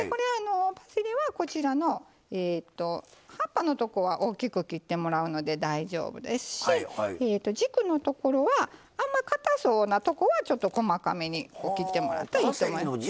パセリはこちらの葉っぱのとこは大きく切ってもらうので大丈夫ですし軸のところはあんまかたそうなとこは細かめに切ってもらうといいと思います。